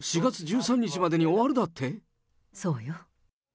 ４月１３日までに終わるだって？